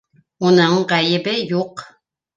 Уның ғәйебе юҡ.